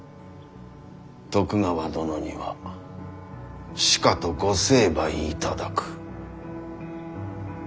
徳川殿にはしかとご成敗いただく。